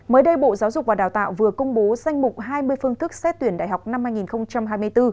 mới đây bộ giáo dục và đào tạo vừa công bố danh mục hai mươi phương thức xét tuyển đại học năm hai nghìn hai mươi bốn